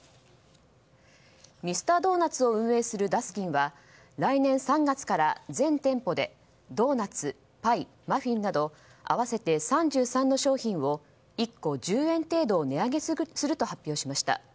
ミスタードーナツを運営するダスキンは来年３月から全店舗でドーナツ、パイ、マフィンなど合わせて３３の商品を１個１０円程度値上げすると発表しました。